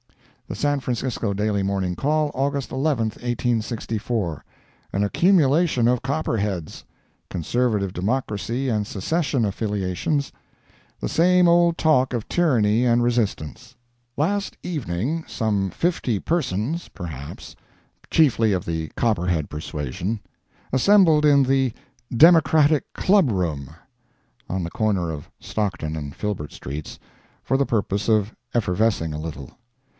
The San Francisco Daily Morning Call, August 11, 1864 AN ACCUMULATION OF COPPERHEADS CONSERVATIVE DEMOCRACY AND SECESSION AFFILIATIONS—THE SAME OLD TALK OF TYRANNY AND RESISTANCE Last evening some fifty persons, perhaps, chiefly of the Copperhead persuasion, assembled in the "Democratic Club Room," on the corner of Stockton and Filbert streets, for the purpose of effervescing a little.